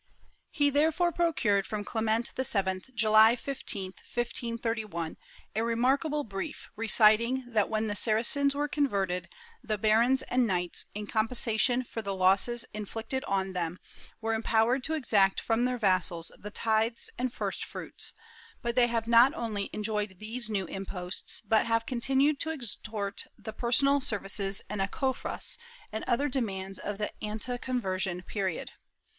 He therefore procured from Clement VII, July 15, 1531, a remark able brief reciting that, when the Saracens were converted, the barons and knights, in compensation for the loss inflicted on them, were empowered to exact from their vassals the tithes and first fruits, but they have not only enjoyed these new imposts but have continued to extort the personal services and agofras^ and other demands of the ante conversion period.